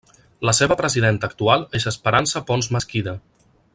La seva presidenta actual és Esperança Pons Mesquida.